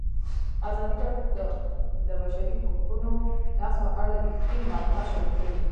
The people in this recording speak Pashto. ازادي راډیو د د بشري حقونو نقض په اړه رښتیني معلومات شریک کړي.